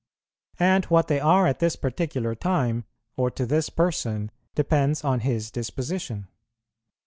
And what they are at this particular time, or to this person, depends on His disposition.